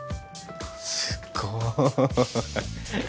すっごい。